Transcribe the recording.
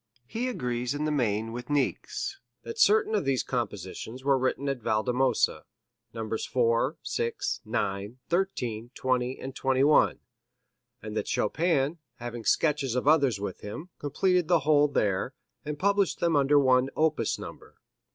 He agrees in the main with Niecks, that certain of these compositions were written at Valdemosa Nos. 4, 6, 9, 13, 20 and 21 and that "Chopin, having sketches of others with him, completed the whole there, and published them under one opus number.